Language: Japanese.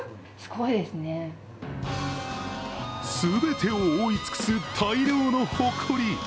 全てを覆い尽くす大量のほこり。